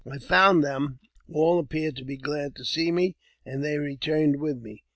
I found them ; all appeared to be glad to see me, and they returned with me.